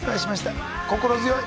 心強い。